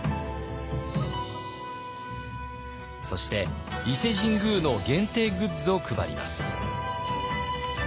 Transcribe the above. そして伊勢神宮の限定グッズを配ります。